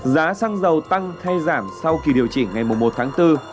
giá xăng dầu tăng hay giảm sau kỳ điều chỉnh ngày một tháng bốn